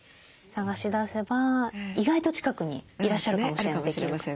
探し出せば意外と近くにいらっしゃるかもしれない。